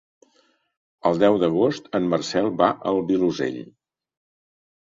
El deu d'agost en Marcel va al Vilosell.